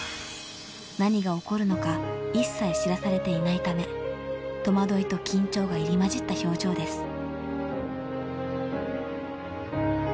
［何が起こるのか一切知らされていないため戸惑いと緊張が入り交じった表情です］